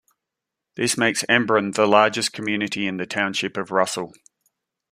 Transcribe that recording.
This makes Embrun the largest community in the Township of Russell.